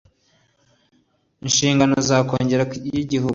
Inshingano za Kongere y Igihugu